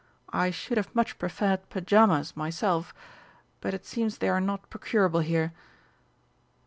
I should have much preferred pyjamas myself. But it seems they are not procurable here."